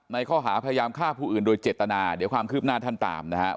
ข้อหาพยายามฆ่าผู้อื่นโดยเจตนาเดี๋ยวความคืบหน้าท่านตามนะครับ